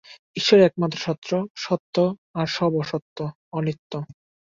ঈশ্বরই একমাত্র সত্য, আর সব অসত্য, অনিত্য।